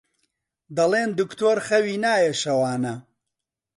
دەڵێن دوکتۆر خەوی نایە شەوانە